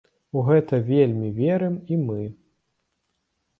У гэта вельмі верым і мы.